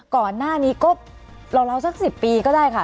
ก่อนหน้านี้ก็ราวสัก๑๐ปีก็ได้ค่ะ